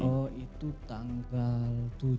oh itu tanggal tujuh